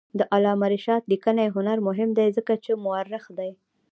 د علامه رشاد لیکنی هنر مهم دی ځکه چې مؤرخ دی.